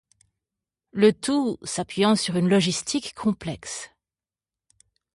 Le tout s'appuyant sur une logistique complexe.